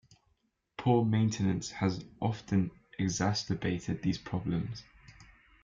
Poor maintenance has often exacerbated these problems.